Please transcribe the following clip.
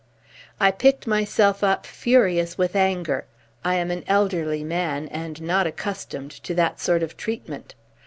I picked myself up furious with anger. I am an elderly man and not accustomed to that sort of treatment.